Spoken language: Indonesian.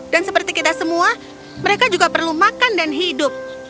dan seperti kita semua mereka juga perlu makan dan hidup